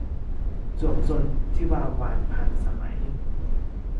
จวบจนทิวาวารผ่านสมัย